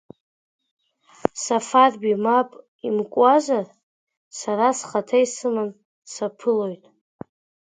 Сафарбеи мап имкуазар, сара схаҭа исыманы саԥылоит.